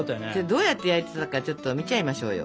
どうやって焼いてたのかちょっと見ちゃいましょうよ。